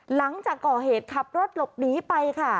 หลังจากก่อเหตุขับรถหลบหนีไปค่ะ